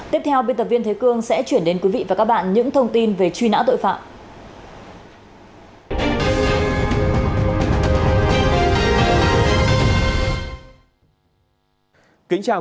tiếp theo biên tập viên thế cương sẽ chuyển đến quý vị và các bạn những thông tin về truy nã tội phạm